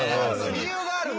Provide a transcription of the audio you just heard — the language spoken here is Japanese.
理由があるの。